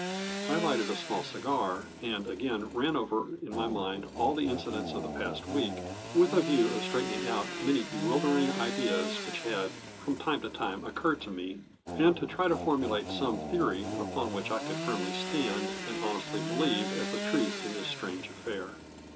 I lighted a small cigar and again ran over in my mind all the incidents of the past week, with a view of straightening out many bewildering ideas which had, from time to time, occurred tome, and to try to formulate some theory upon which I could firmly stand, and honestly believe as the truth in this strange affair.